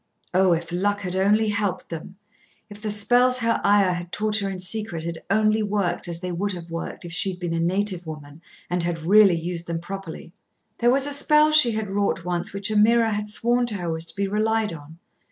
Oh! if luck had only helped them! if the spells her Ayah had taught her in secret had only worked as they would have worked if she had been a native woman and had really used them properly! There was a spell she had wrought once which Ameerah had sworn to her was to be relied on.